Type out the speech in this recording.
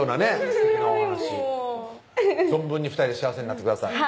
すてきなお話存分に２人で幸せになってください